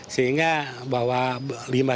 sehingga bahwa limbah